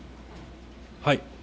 はい。